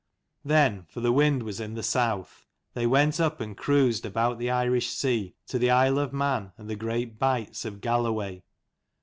181 Then, for the wind was in the South, they went up and cruised about the Irish Sea to the Isle of Man and the great bights of Galloway.